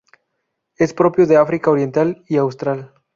Es propio de África oriental y austral.